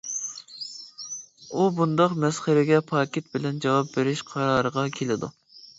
ئۇ بۇنداق مەسخىرىگە پاكىت بىلەن جاۋاب بېرىش قارارىغا كېلىدۇ.